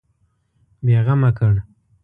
بېغمه کړ.